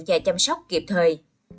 và chăm sóc kịp thời